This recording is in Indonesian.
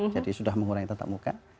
jadi sudah mengurangi tatap muka